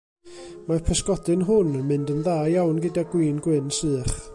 Mae'r pysgodyn hwn yn mynd yn dda iawn gyda gwin gwyn sych.